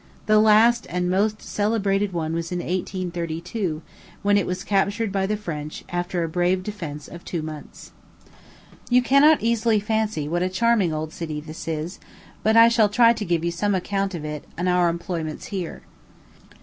The last and most celebrated one was in 1832, when it was captured by the French, after a brave defence of two months. You cannot easily fancy what a charming old city this is; but I shall try to give you some account of it and our employments here.